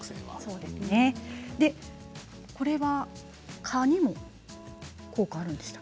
これは蚊にも効果あるんですか。